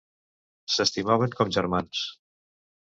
S'estimaven com germans.